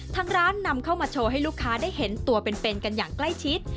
ทางร้านนำเข้ามาโชว์ให้ลูกค้าได้เห็นตัวเป็นกันอย่างใกล้ชิด